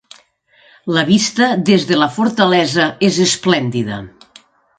La vista des de la fortalesa és esplèndida.